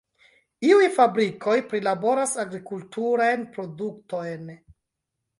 Iuj fabrikoj prilaboras agrikulturajn produktojn.